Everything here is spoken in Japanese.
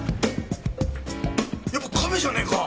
やっぱ亀じゃねえか！